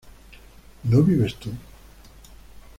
¿no vives tú?